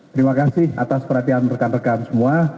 terima kasih atas perhatian rekan rekan semua